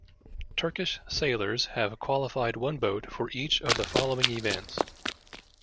Turkish sailors have qualified one boat for each of the following events.